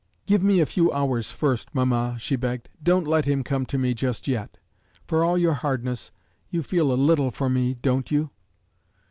"Give me a few hours first, mamma," she begged. "Don't let him come to me just yet. For all your hardness, you feel a little for me don't you?"